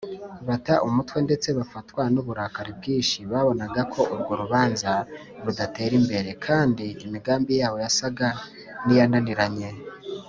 bata umutwe ndetse bafatwa n’uburakari bwinshi babonaga ko urwo rubanza rudatera imbere; kandi imigambi yabo yasaga n’iyananiranye